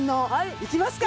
行きますか。